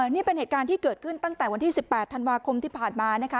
นี่เป็นเหตุการณ์ที่เกิดขึ้นตั้งแต่วันที่๑๘ธันวาคมที่ผ่านมานะคะ